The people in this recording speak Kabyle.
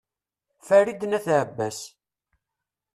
farid n at abbas